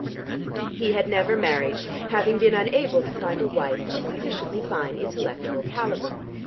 He had never married, having been unable to find a wife of sufficiently fine intellectual calibre.